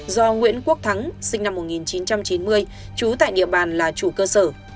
do nguyễn quốc thắng sinh năm một nghìn chín trăm chín mươi trú tại địa bàn là chủ cơ sở